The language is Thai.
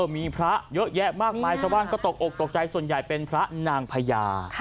มีพระเยอะแยะมากมายชาวบ้านก็ตกอกตกใจส่วนใหญ่เป็นพระนางพญา